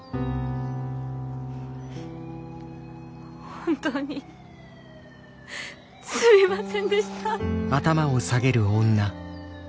本当にすみませんでした。